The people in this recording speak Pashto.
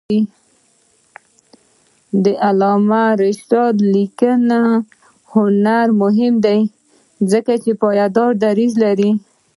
د علامه رشاد لیکنی هنر مهم دی ځکه چې پایدار دریځ لري.